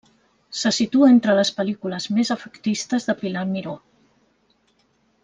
Se situa entre les pel·lícules més efectistes de Pilar Miró.